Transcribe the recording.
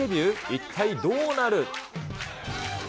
一体どうなる？